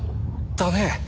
だね。